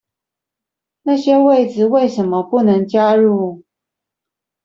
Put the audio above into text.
那些位子為什麼不能加入？